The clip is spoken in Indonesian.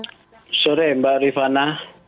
selamat sore mbak rifana